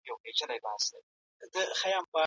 ایا افغان سوداګر وچه الوچه ساتي؟